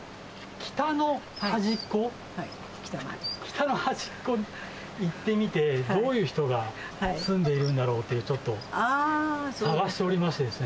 北の端っこに行ってみて、どういう人が住んでいるんだろうって、ちょっと探しておりましてですね。